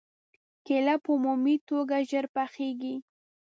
کېله په عمومي توګه ژر پخېږي.